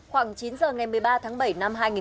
hãy đăng ký kênh để ủng hộ kênh của chúng mình nhé